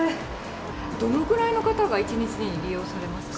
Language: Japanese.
どのぐらいの方が１日に利用されますか。